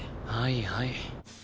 はいはい。